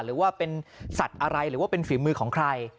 หรือว่าเป็นสัตว์อะไรหรือว่าเป็นฝีมือของใคร